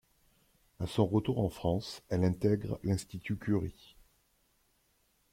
A son retour en France, elle intègre l'Institut Curie.